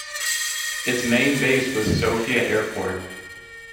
Its main base was Sofia Airport.